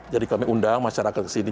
jadi kami undang masyarakat ke sini